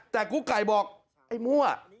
แต่กุ๊กไก่บอกไอ้มั่ว